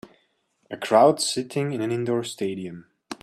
A crowd sitting in an indoor stadium.